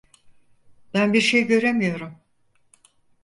Ben bir şey göremiyorum.